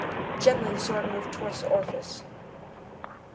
Gently the Sword moved towards the orifice.